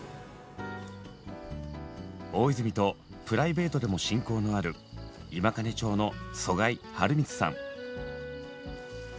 大泉とプライベートでも親交のある今金町の曽我井陽充さん。